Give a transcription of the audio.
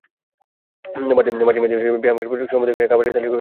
বাড়তি মেদ ঝরাতে ব্যায়ামাগারে প্রচুর সময় দিতে হয়েছে, খাবারের তালিকায়ও এসেছে পরিবর্তন।